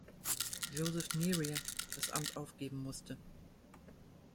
Joseph Neary das Amt aufgeben musste.